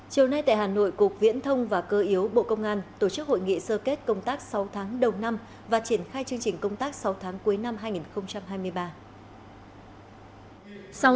chiều nay tại hà nội cục viễn thông và cơ yếu bộ công an tổ chức hội nghị sơ kết công tác sáu tháng đầu năm và triển khai chương trình công tác sáu tháng cuối năm hai nghìn hai mươi ba